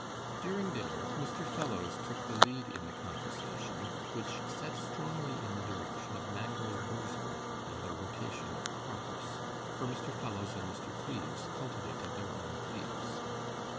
During dinner Mr. Fellowes took the lead in the conversation, which set strongly in the direction of mangold wurzel and the rotation of crops; for Mr. Fellowes and Mr. Cleves cultivated their own glebes.